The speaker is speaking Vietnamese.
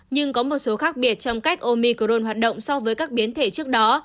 nhưng có một số khác biệt trong cách omicron hoạt động so với các biến thể trước đó